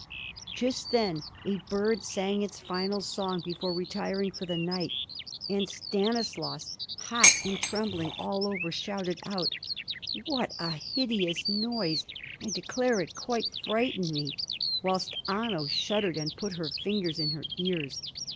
Just then a bird sang its final song before retiring for the night, and Stanislaus, hot and trembling all over, shouted out: "What a hideous noise! I declare it quite frightened me"; whilst Anno shuddered and put her fingers in her ears.